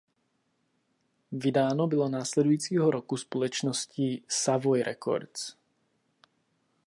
Vydáno bylo následujícího roku společností Savoy Records.